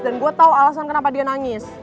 dan gue tau alasan kenapa dia nangis